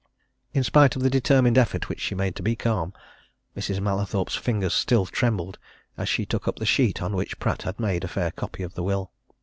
In spite of the determined effort which she made to be calm, Mrs. Mallathorpe's fingers still trembled as she took up the sheet on which Pratt had made a fair copy of the will.